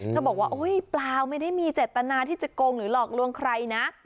เขาบอกว่าเปล่าไม่ได้มีเจตนาที่จะโกงหรือหลอกลวงใครนะ